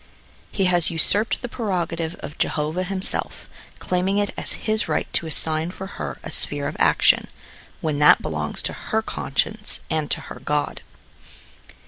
He has usurped the prerogative of Jehovah himself, claiming it as his right to assign for her a sphere of action, when that belongs to her con science and to her God.